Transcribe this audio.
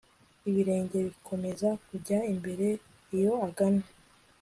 Ibirenge bikomeza kujya imbere iyo agana